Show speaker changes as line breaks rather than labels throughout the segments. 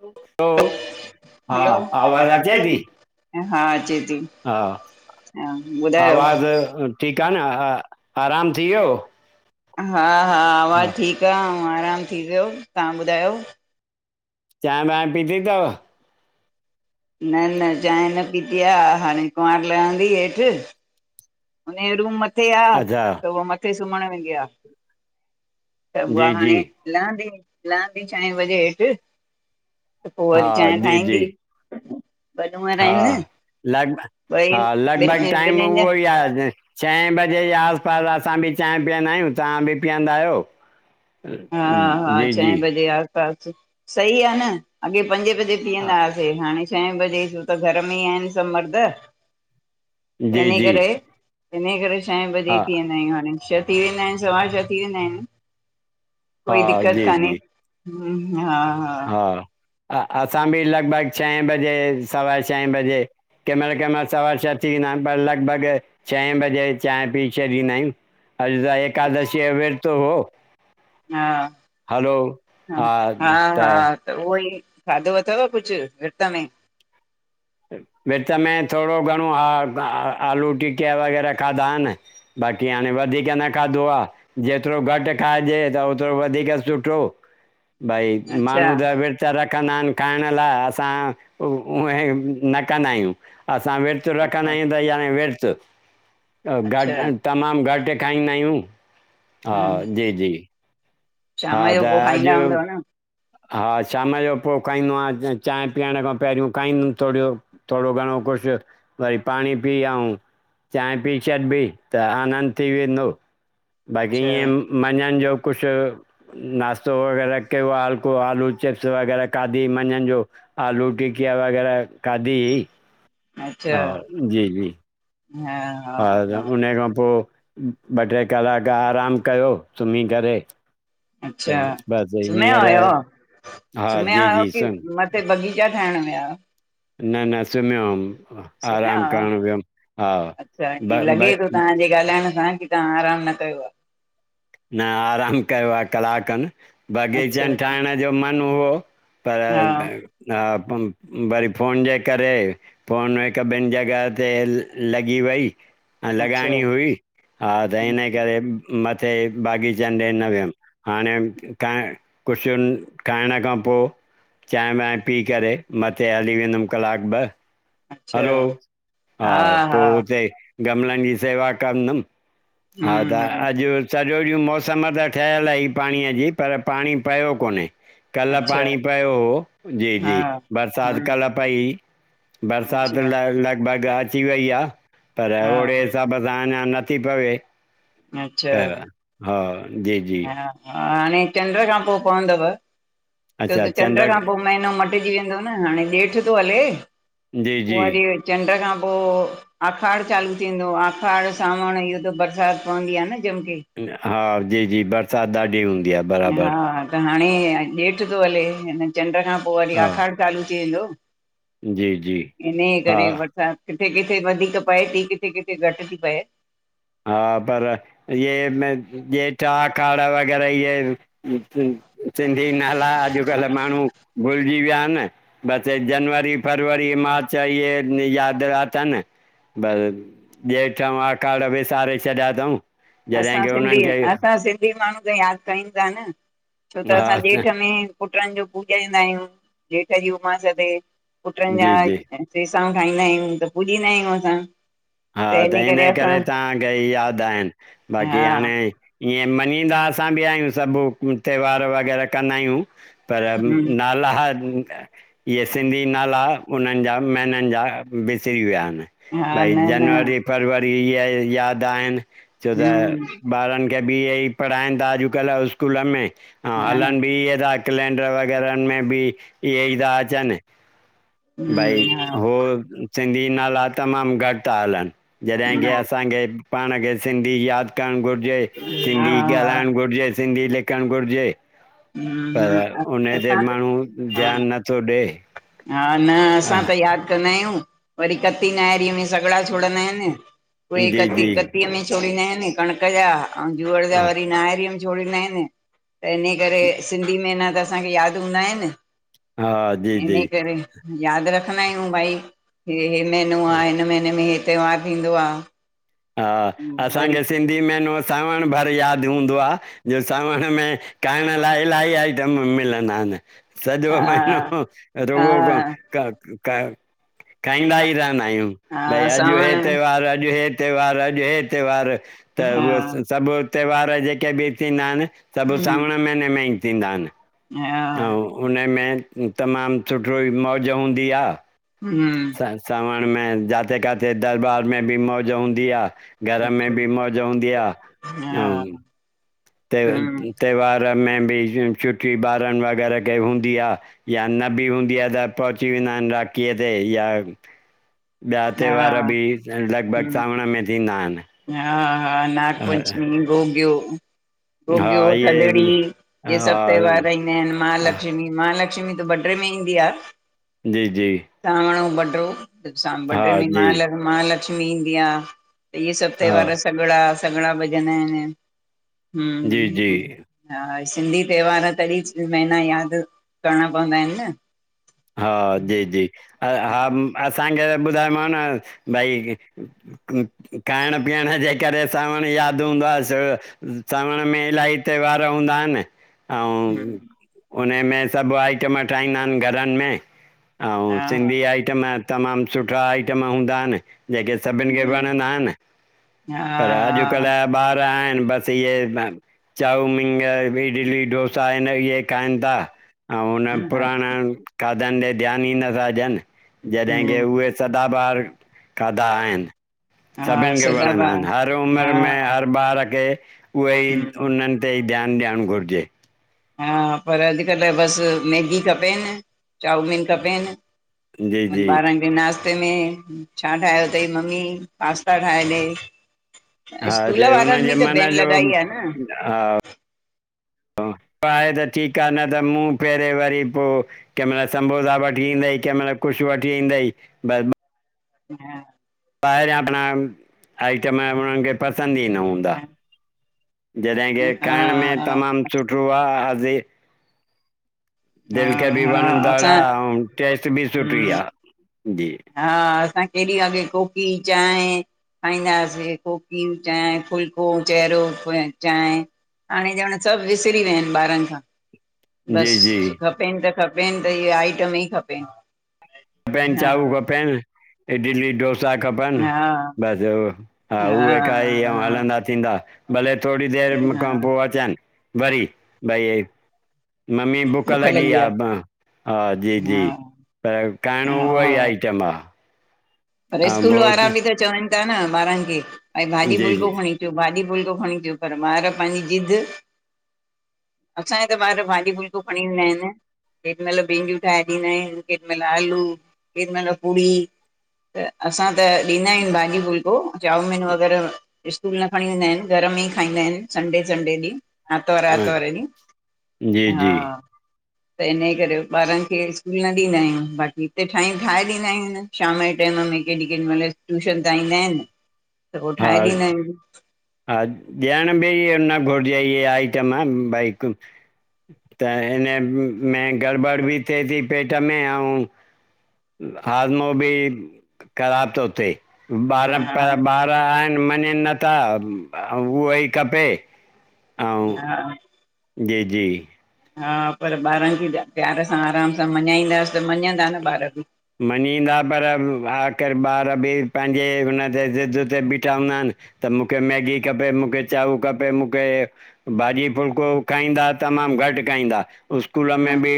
ह हो हा आवाज़ अचे थी?
हा अचे थी
हा
हा ॿुधायो
आवाज़
हा
ठीकु आ न हा आराम थी वियो?
हा हा आवाज़ ठीक आए ऐं आराम थी वियो। तां ॿुधायो
चांइ वाइ पीती थव
न न चांइ न पीती आ हाणे कुंवार लहंदी हेठि हुनयो रूम मथे आ
अच्छा
त उव मथे सुमण वेंदी आ त हुअ
जी
हाणे
जी
लहंदी लहंदी छहे बजे हेठि पो
हा
वरी चांइ
जी जी
ठाहींदी। ॿ नूंहर
हा
आहिनि
लॻभ
ॿई
हा लॻभॻ
ॿिनि
टाईम
ॿिन्हिनि
उहो
जा
ई आ हि छए बजे जे आस पास असां बि चांहि पीयंदा आयूं तव्हां बि पीयंदा आयो
हा हा छहे बजे आस पास। सही आ न अॻे पंजे बजे
हा,
पीअंदा। हाणे छहे बजे जो त घर में ई आहिनि सभु मर्द।
जी
इन
जी
करे इन करे छहे बजे
हा
ई पिअंदा आहियूं हाणे छह थी वेंदा आहिन सवा छह थी वेंदा आहिनि।
हा
कोई दिक्कत
जी
कान्हे
जी
हा हा
हा असां बि लॻभॻि छहे बजे सवा छहे बजे केमिल केमिल सवा छह थी वेंदा आहिनि पर लॻभॻि। छहे बजे चांइं पी छॾींदा आयूं अॼु त एकादशी यो विर्तु हो।
हा
हलो
ह हा हा त उओ ई खाधो अथव कुझु विर्त में?
विच में थोड़ो घणो हा आलू टिकिया वग़ैरह खाधा आहिनि। बाकी हाणे वधीक न खाधो आ। जेतरो घटि खाइजे त ओतरो वधीक सुठो। भाई
अच्छा
माण्हू त विर्तु रखंदा आहिनि खाइण लाइ असां उहे न कंदा आहियूं। असां विर्तु रखंदा
अच्छा
आहियूं त याने विर्तु घट
अच्छा
तमामु घटि खाईंदा आहियूं, हा
हम्म
जी जी हा
शाम जो
त
पो खाईंदा
अॼु
हूंदव न?
हा शाम जो पोइ खाईंदो आहियां चांइ पीअण खां पहिरियों खाईंदुमि थोड़ो। थोड़ो घणो कुझु वरी पाणी पी आऊ चांहि पी छॾबि त आनंद थी वेंदो। बाक़ी
अच्छा
ईअं मंझंन जो कुझु नाश्तो वग़ैरह कयो आ‌ ह को आलू चिप्स वग़ैरह खादी मंझंनि जो आलू टिकिया वग़ैरह खादी ही।
अच्छा हा
हा उन खां पो ॿ ट्रे कलाक आराम कयो सुमी करे। त
अच्छा
बसि
सुमया
हींअर
आयो
हा
सुमया
जी
आयो आहियो
जी सुम
की मत हे बगीचा ठाहिण विया हा
न न सुम्हो हुयमि
सुम्हिया
आराम
हुयव
करणु वियुमि हा ब भई
ॻाल्हाइईण सां की तव्हां आरामु न कयो आहे।
न आरामु कयो आ कलाक खन
आहे अच्छा
बाग़ीचनि
अच्छा
ठाहिण जो मनु उहो पर
हा
हा वरी फोन जे करे फोन हिकु ॿिनि जॻह ते लॻी वई, लॻाइणी
अच्छा
हुई, हा त हिन करे किथे बाग़ीचनि ॾे न वियुमि, हाणे क कुझुुनि, खाइण खां पोइ चांहि बांहिं पी करे, मथे हली वेंदुमि कलाकु ॿ
अच्छा
हलो, हा पोइ हुते गमलनि जी सेवा कंदुमि हा त
हम्म हम्म
अॼु सॼो ॾींहुं मौसमु त ठहियलु आही पाणीअ जी पर पाणी पियो कोन्हे। कल्ह
अच्छा
पाणी पियो हो, जी जी
हा
बरसाति
हम्म
कल्ह पई हुई। बरसात
अच्छा
लॻभग अॼु थी वई आहे, पर
हा
ओड़े हिसाब सां अञा नथी पवे।
अच्छा
हा, जी जी
हा हाणे चंड खां पोइ पवंदव, छो त चंड खां पोइ महीनो मटजी वेंदो न हाणे जेठ थो हले,
जी
पोइ
जी
वरी चंड खां पोइ आखाड़ चालू थींदो आखाड़ सांवण इहो त बरसाति पवंदी आहे न जमिके
हा जी जी बरसाति ॾाढी हूंदी आहे।
हा
बराबरि
त हाणे जेठि थो हले, हिन चंड खां पोइ वरी
हा
आखाड़ चालू थी वेंदो,
जी जी
इन्ही
हा
करे वट अच्छा, किथे किथे वधीक पए थी, किथे किथे घटि थी पए।
हा पर इहे जेठि आखाड़ वग़ैरह इय सिंधी नाला अॼुकल्ह माण्हू भुलिजी विया आहिनि। बस हे जनवरी फरवरी मार्च ऐं ईहे याद अथनि बस जेठि आखाड़ विसारे छॾियां अथऊं जॾहिं
असां
की
सिंधी
उन्हनि खे
असां सिंधी माण्हू त यादि कयूं था न छो त
हा
असां जेठि में पुटनि जो पूॼाईंदा आहियूं। जेठ जी उमास ते पुटनि जा
जी जी
सेसाऊं ठाईंदा आहियूं, त पुॼंदा आहियूं असां।
हा त इन्ही करे तव्हांखे यादि आहिनि, बाक़ी
हा
हाणे ईअं मञीदा असां बि आहियूं सभु, त्योहार वग़ैरह कंदा आहियूं। पर
हूं
नाला, इहे सिंधी न नाला उन्हनि जा महिननि जा विसरी विया आहिनि।
हा
भई
न न
जनवरी फरवरी इहे यादि आहिनि। छो त
हूं
ॿारनि खे बि इहे ई पढ़ाइनि था अॼुकल्ह स्कूलनि में, ऐं
हा
हलनि बि इहे था। कैलेंडर वग़ैरहनि में बि, इहे ई था अचनि। भई
हूं हा
हो सिंधी नाला तमामु घटि था हलनि जॾहिं की
न
असांखे, पाण खे सिंधी यादि करणु घुरजे,
हा
सिंधी
हा
ॻाल्हाइणु घुरिजे, सिंधी लिखणु घुरिजे
हूं हूं
पर उन ते
असां त
माण्हू
हा
ध्यानु नथो ॾेए
हा न असां त यादि कंदा आहियूं, वरी कती नाहरी में सॻिड़ा छोड़ींदा आहिनि। कोई
जी
कती
जी
कतीअ में छोड़ींदा आहिनि कणिक जा, अऊं जूअर जा
हा
वरी नाहरी में जोड़ींदा आहिनि, त इन्ही करे सिंधी में न त असांखे यादि हूंदा आहिनि।
हा जी जी,
इन करे यादि रखंदा आहियूं भई, हे हे महीनो आहे हिन महीने में त्योहारु थींदो आ।
हा, असांखे सिंधी महिनो सावण भर यादि हूंदो आहे, जो सावण में खाइण लाइ इलाही आइटम मिलंदा आहिनि। सॼो महिनो
हा
रुॻो
हा
क क खाईंदा ई रहंदा आहियूं। भई
हा
अॼु हे
सावण
त्योहारु अॼु हे त्योहारु अॼु हे त्योहारु। त
हा
उहे सभु त्योहार जेके बि थींदा आहिनि, सभु
हम्म
सावण महीने में ई थींदा आहिनि।
हा
अऊं हुन में तमामु सुठो ही मौज हूंदी आ।
हूं।
त सावण में जाथे काथे दरबार में बि मौज हूंदी आ। घर में बि मौज हूंदी आ, अऊं
हा हम्म
त्योहार में बि छुट्टी ॿारनि वग़ैरह खे हूंदी आ। या न बि हूंदी आ त पहुची वेंदा आहिन, राखीअ ते या
[inaudible]
ॿिया
हा
त्योहार बि लगभग
हम्म
सावण में थींदा आहिन।
हा हा नागपंचमी गोग्यो। गोुगियो,
हा
थधड़ी
इहे
इहे
हा
सभु त्योहार ईंदा आहिनि
हा
महालक्ष्मी महालक्ष्मी त बड्रे में ईंदी आ।
जी जी।
सांवण अऊं बडो सां
हा
बडे में
जी
महा महालक्ष्मी ईंदी आ। त इहे सभु
हा
त्योहार सॻिड़ा सॻिड़ा भॼंदा आहिनि
जी जी
हूं हा, सिंधी त्योहार तॾीं महीना यादि करणा पवंदा आहिनि न।
हा जी जी हा असांखे त ॿुधामांव न भई खाइण पीअण जे करे सावण यादि हूंदो आ। सो सावण में इलाही त्योहार हूंदा आहिनि। अऊं
हम्म,
उनमें सभु आइटम ठाहींदा आहिनि घरनि में। अऊं
हा
सिंधी आइटम तमामु सुठा आइटम हूंदा आहिनि जेके सभिनि खे वणंदा आहिनि। पर
हा
अॼुकल्ह जा ॿार आहिनि बसि थीए चाऊमींग, इडली, डोसा आहिन। इए खाइनि था ऐं हुन
हा
पुराणनि खाधनि ॾे ध्यानु ई नथा ॾियनि। जॾहिं
हा
की उहे सदाबहार खाधा आहिनि।
हा
सभिनि खे वणंदा
सदाबा
आहिनि हर
हा
उमिरि में हर ॿार खे उहे ई उन्हनि ते ई ध्यान ॾियणु घुरिजे।
हा पर अॼुकल्ह बसि मैगी खपेनि चाउमीन खपेनि
जी जी
बारन वरी नाश्ते में छा ठाहियो तई मम्मी? पास्ता ठाहे ॾे
हा
इस्कूल
जे
वारनि
हुनजे
बि त
मन
बैन
जो
लॻाई आ न।
हा आहे त ठीकु आ, न त मूंह फेरे वरी पो कंहिं महिल सम्बोसा वठी ईंदई कंहिं महिल कुछ वठी ईंदई बस
हा।
ॿाहिरियां प आइटम उन्हनि खे पसंदि ई न हूंदा। जॾें के
हा
खाइण में तमामु सुठो आहे हाज़
हा
दिलि खे बि
हा हा
वणंदड़ आ
असां
अऊं टेस्ट बि सुठी आ जी।
हा असां केॾी अॻे कोकी चांय खाईंदा हासे कोकियूं चांहि, फुलको चहिरो चांयं हाणे ॼणु सभु विसरी विया हिनि ॿारनि खां
जी
बसि
जी
खपेनि त खपेनि त इह्ये आइटम ई खपेन।
बेनचाऊ खपेन इडली डोसा सा खपनि
हा
बसि हा उहे खाई अऊं
हा
हलंदा थींदा भले थोड़ी देरि
हा
खां पो अचनि वरी भई मम्मी बुख लॻी आ ब् हा जी जी।
हा
पर खाइणों उहो ई
हा
आइटम आ।
पर स्कूल वारा बि त चवनि ता न ॿारनि खे भई भाॼी
जी जी
फुल्को खणी चो भाॼी फुलको खणी चो पर ॿार पांजी ज़िद असांया त ॿार भाॼी फुलको खणी वेंदा इनि केॾीमल भींडियूं ठाहे ॾींदा आहियूंन केॾीमल आलू केॾीमल पुड़ी त असां त ॾींदा आहियूंन भाॼी फुलको चाऊमीन वग़ैरह स्कूल न खणी वेंदा हिनि, घर में ई खाईंदा हिनि संडे संडे ॾींहुं। आतवर
हा
आतवर ॾीहुं,
जी
हा।
जी
त इन्हयेकरे ॿारनि खे स्कूल न ॾींदा आहियूंन, बाक़ी हिते छहियूं ठाहे ॾींदा आहियूंन शाम जे टाइम में केॾी केॾी मल ट्यूशन तां ईंदा इनि, त पो
हा
ठाहे ॾींदा आहियूंन।
हा ॾियण बि इह्ये न घुरिजे इह्ये आइटम भई हिकु त हिन में गड़बड़ि बि थिए ती पेट में अऊं हाज़मो बि ख़राब तो थिए, ॿार
हा
पर ॿार आहिनि मञिंनिं नथा, अंउं उहोई खपे। ऐं
हा।
जी जी।
हा, पर ॿारनि खे प्यार सां आराम सां मञाईंदास त मञंदा न ॿार बि।
मञींदा पर आख़िर ॿार बि पंहिंजे हुन ते ज़िद ते बीठा हुंदा हिनि। त मुखे मैगी खपे, मुखे चाऊ खपे मुखे भाॼी फुलको खाईंदा तमामु घटि खाईंदा। स्कूल में बि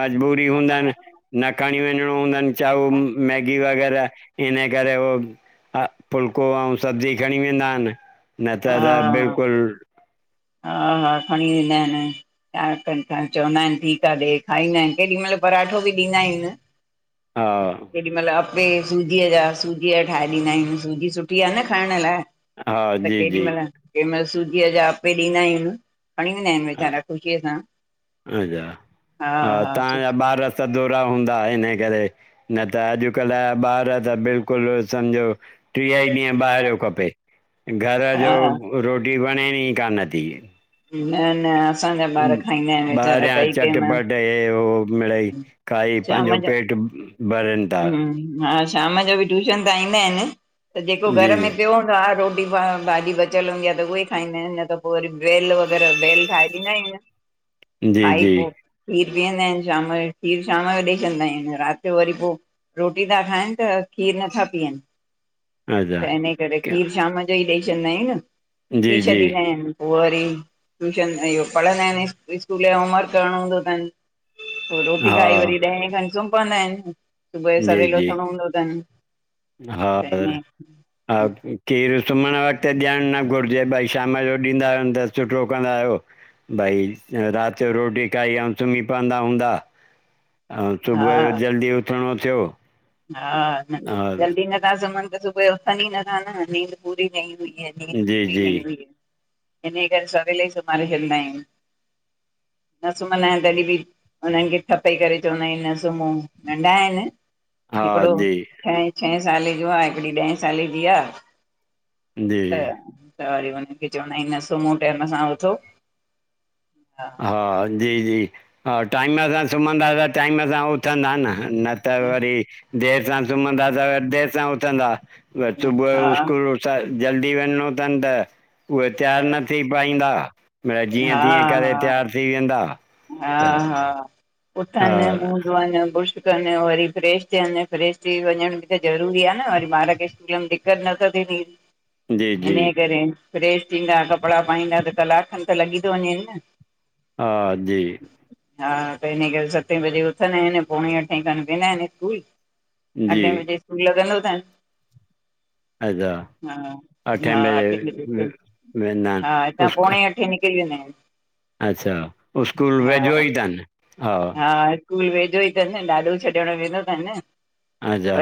मजबूरी हुंदन न खणीं वञिंणो हूंदन चाऊ, मैगी वग़ैरह इन करे हो हा, फुल्को अऊं सब्जी खणीं वेंदा हिनि, न त
हा
त बिल्कुलु
हा हा खणी वेंदा हिनि। छा कनि पांण चवंदा हिनि ठीक आ ॾे खाईंदा हिनि, केॾी मल पराठो बि ॾींदा आहियूंन।
हा।
केॾी मल अपे सूजीअ जा सूजीअ या ठाहे ॾींदा आहियुन, सूजी सुठी आ न खांइण लाए।
हा
त
जी
केॾी
जी
महल केमहल सूजीअ जा अपे ॾींदा आहियुन। खणी वेंदा हिनि
अ,
वेचारा ख़ुशीअ सां,
अच्छा
हा हा सुठो।
तव्हांजा ॿार सदोरा हुंदा इन्हे करे। न त अॼुकल्ह जा ॿार त बिल्कुलु सम्झो ट्रीह ई ॾींहं ॿाहिरियों खपे, घर जो
हा
रोटी वणेन ई कान्ह थी।
न न असांजा ॿार खाईंदा हिनि वेचारा
ॿाहिरियां
ट्रई टाइम।
चटपट हे हो मिड़ई खाई पांजो
शाम जो
पेटु भरिनि ता।
हम्म हा शाम जो बि ट्यूशन त ईंदा हिनि, त जेको
जी
घर में पियो हूंदो आ रोटी टी भाॼी बचियल हुंदी आ त उहे ई खाईंदा हिन न त पो वरी भेल वग़ैरह भेल ठाहे ॾींदा आहियुंन।
जी
खाई
जी
पो खीरु पीयन्दा आहिनि। शाम जो खीरु शाम जो ॾई छॾिंदा आहिनि, राति जो वरी पोइ रोटी ता खाइनि त खीरु नथा पीअनि।
अच्छा
त इन करे खीरु शाम जो ई ॾई छॾंदा आहियुन,
जी
पी
जी
छॾींदा आहिन। पो वरी, ट्यूशन इहो पढ़ंदा आहिनि, स्कूल जो होमवर्क करणो हूंदो तनि पो रोटी
हा
खाई वरी ॾहें खनि सुम् पवंदा आहिनि, सुबुह जो
जी
सवेल
जी
उथणो हूंदो तनि।
हा पर, हा खीरु सुम्हणु वक़्तु ॾियणु न घुरिजे, भाई शाम जो ॾींदा आहियोन त सुठो कंदा आहियो। भाई, राति जो रोटी खाई आऊं सुम्ही पवंदा हूंदा। आऊं
हा
सुबुह जो जल्दी उथिणो थियो
हा न,
हा
जल्दी नथा सुम्हनि त सुबुह जो उथनि ई नथा न, नींद पूरी न ईंदी किअं नींद
जी
पूरी
जी
न ईंदी। इन करे सवेल ई सुमाड़े छॾिंदा आहियुन। न सुम्हंदा आहिन तॾी ॿी हुन्हनि खे थप्पे करे चवंदा आहियूं न सुम्हों, नंढा आहिनि।
हा
हिकिड़ो
जी
छहें-छहें साले जो आ, हिकिड़ी ॾहें साले जी आ। त
जी
त वरी हुनखे चवंदा आहियूं न सुम्हो टाइम सां उथो। हा
हा, जी-जी-जी हा टाइम सां सुम्हंदा त टाइम सां उथ न-न, नत वरी देरि सां सुम्हंदा त वरी देरि सां उथंदा। वरी सुबुह जो
हा
स्कूल, उथाए जल्दी वञणो तन त उहे तयारु न थी पाईंदा, मिरई जीअं-तीअं करे तयारु थी वेंदा। त
हा-हा उथनि,
हा,
मुहं धोहनि, बुर्श उथनि वरी फ्रेश थियनि, फ्रेश थी वञण बि त ज़रूरी आहे न वरी बारनि खे स्कूलनि में त नं त बे ॾिहं
जी, जी,
इनहि करे फ्रेश थींदा, कपिड़ा पाईंदा, त कलाकु खनि त लॻी थो वञेनि न।
हा, जी।
हा, त हिन करे सत्ते बजे उथंदा आहिनि, पोणे-अठे खनि वेंदा आहिनि स्कूल
जी,
अठे बजे स्कूल लॻंदो तनि।
अच्छा,
हा,
अठें
हा,
बजे वे-
ठिकु-ठिकु।
वेंदा
हा हितां
आहिनि स्कू
पोणे-अठे निकिरी वेंदा आहिनि।
अच्छा, स्कूल
हा
वेझो ई अथनि? हा।
स्कूल वेझो ई अथनि न, ॾाॾो छॾणु वेंदो तनि।
अच्छा।